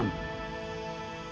jangan berdiri di depan